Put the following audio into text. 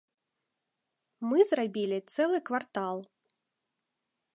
Мы зрабілі цэлы квартал.